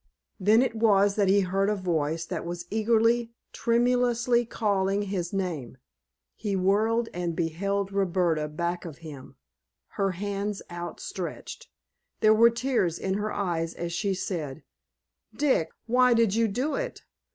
Then it was that he heard a voice that was eagerly, tremulously calling his name. He whirled and beheld Roberta back of him, her hands outstretched. There were tears in her eyes as she said: "Dick, why did you do it?